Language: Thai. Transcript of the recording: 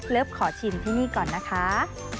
ขอชิมที่นี่ก่อนนะคะ